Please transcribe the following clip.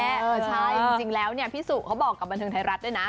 ใช่จริงแล้วพี่สุเขาบอกกับบรรทึงไทยรัฐด้วยนะ